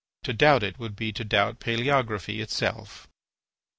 To doubt it would be to doubt palaeography itself.